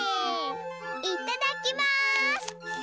いただきます！